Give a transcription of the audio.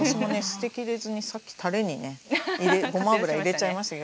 捨てきれずにさっきたれにねごま油入れちゃいました。